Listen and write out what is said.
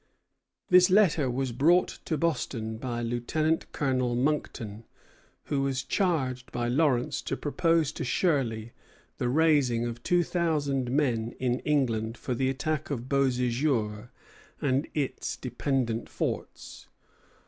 This letter was brought to Boston by Lieutenant Colonel Monckton, who was charged by Lawrence to propose to Shirley the raising of two thousand men in New England for the attack of Beauséjour and its dependent forts.